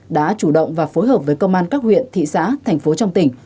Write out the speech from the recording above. đã chủ động và phối hợp với công an các huyện thị xã thành phố trong tỉnh